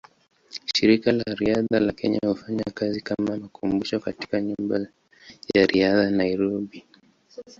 Shirika la Riadha la Kenya hufanya kazi kama makumbusho katika Nyumba ya Riadha, Nairobi.